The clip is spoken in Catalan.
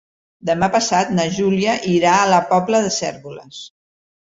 Demà passat na Júlia irà a la Pobla de Cérvoles.